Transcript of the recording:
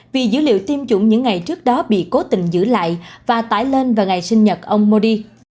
vì dữ liệu tiêm chủng những ngày trước đó bị cố tình giữ lại và tải lên vào ngày sinh nhật ông modi